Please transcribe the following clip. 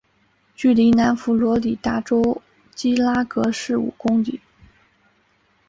距离南佛罗里达州基拉戈市五公里。